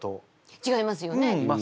違いますよね？